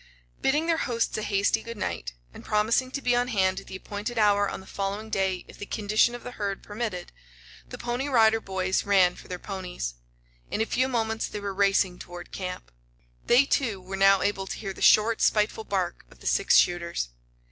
Bidding their hosts a hasty good night, and promising to be on hand at the appointed hour on the following day if the condition of the herd permitted, the Pony Rider Boys ran for their ponies. In a few moments they were racing toward camp. They, too, were now able to hear the short, spiteful bark of the six shooters.